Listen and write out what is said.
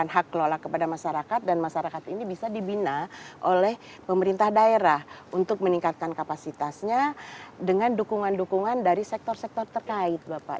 hak kelola kepada masyarakat dan masyarakat ini bisa dibina oleh pemerintah daerah untuk meningkatkan kapasitasnya dengan dukungan dukungan dari sektor sektor terkait bapak